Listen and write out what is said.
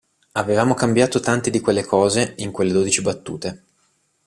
Avevamo cambiato tante di quelle cose in quelle dodici battute.